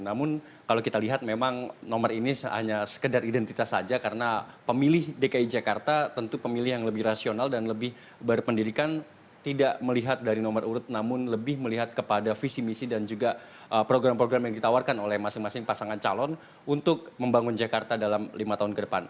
namun kalau kita lihat memang nomor ini hanya sekedar identitas saja karena pemilih dki jakarta tentu pemilih yang lebih rasional dan lebih berpendidikan tidak melihat dari nomor urut namun lebih melihat kepada visi misi dan juga program program yang ditawarkan oleh masing masing pasangan calon untuk membangun jakarta dalam lima tahun ke depan